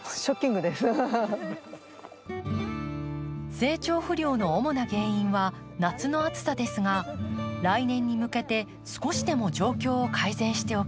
成長不良の主な原因は夏の暑さですが来年に向けて少しでも状況を改善しておきたい。